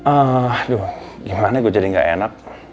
aduh gimana gue jadi gak enak